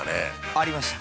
◆ありました。